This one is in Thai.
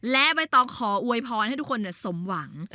และใบตองขออวยพรให้ทุกคนสมหวัง